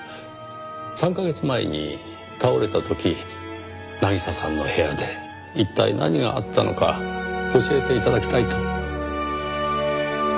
３カ月前に倒れた時渚さんの部屋で一体何があったのか教えて頂きたいと。